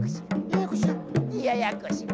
ややこしや。